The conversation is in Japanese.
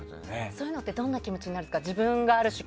そういうのってどんな気持ちなんですか？